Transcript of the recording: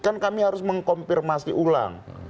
kan kami harus mengkonfirmasi ulang